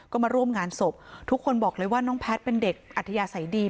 ก็มาร่วมงานศพทุกคนบอกเลยว่าน้องแพทย์เป็นเด็กอัธยาศัยดี